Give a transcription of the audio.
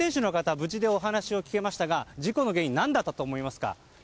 無事でお話を聞けましたが事故の原因は何だったと思いますか？